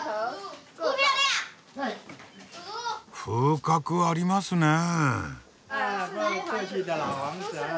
風格ありますねえ。